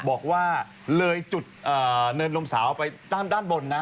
บอกว่าเลยจุดเนินลมสาวไปด้านบนนะ